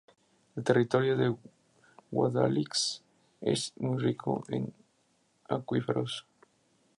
El territorio de Guadalix es muy rico en acuíferos.